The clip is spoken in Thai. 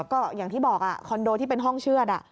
ก็อย่างที่บอกคอนโดที่เป็นห้องเชื่อด